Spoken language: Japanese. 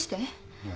いや。